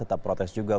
tetap protes juga